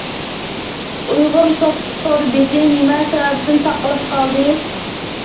ئۇيغۇرسوفت تور بېتى نېمە سەۋەبتىن تاقىلىپ قالدى؟